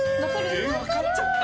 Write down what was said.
ええ分かっちゃった？